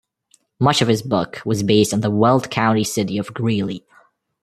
Much of his book was based on the Weld County city of Greeley.